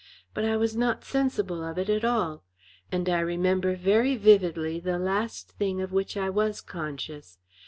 But I was not sensible of it at all; and I remember very vividly the last thing of which I was conscious.